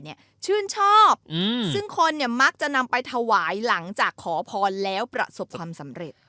ชื่นชอบซึ่งคนเนี่ยมักจะนำไปถวายหลังจากขอพรแล้วประสบความสำเร็จ